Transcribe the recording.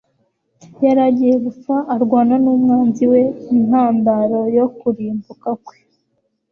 yari agiye gupfa arwana n'umwanzi we ntandaro yo kurimbuka kwe.